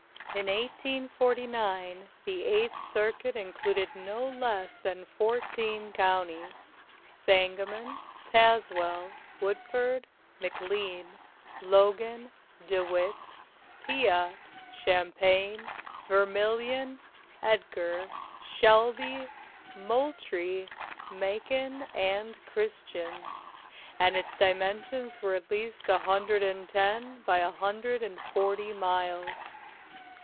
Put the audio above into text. In 1849 the Eighth Circuit included no less than fourteen counties, — Sanga mon, Tazewell, Woodford, McLean, Logan, DeWitt, Piatt, Champaign, Vermilion, Edgar, Shelby, Moultrie, Macon and Christian, — and its dimensions were at least a hundred and ten by a hundred and forty miles.